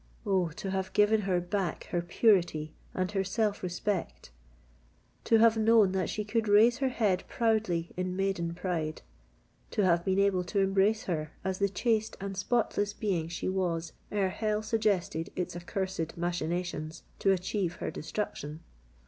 Oh! to have given her back her purity and her self respect,—to have known that she could raise her head proudly in maiden pride,—to have been able to embrace her as the chaste and spotless being she was ere hell suggested its accursed machinations to achieve her destruction!